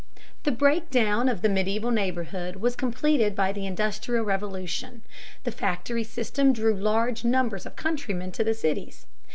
The breakdown of the medieval neighborhood was completed by the Industrial Revolution. The factory system drew large numbers of countrymen to the cities.